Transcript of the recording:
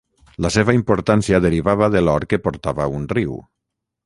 La seva importància derivava de l'or que portava un riu.